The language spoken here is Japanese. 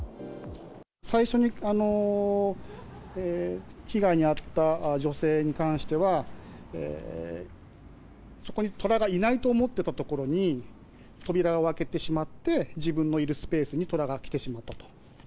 最初に被害に遭った女性に関しては、そこにトラがいないと思ってた所に、扉を開けてしまって、自分のいるスペースにトラが来てしまったと。